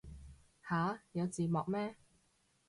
吓有字幕咩